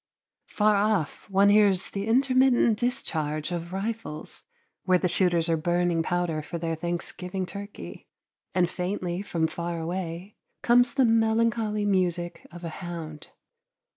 Far off one hears the intermittent discharge of rifles where the shooters are burning powder for their Thanksgiving turkey, and faintly from far away comes the melancholy music of a hound.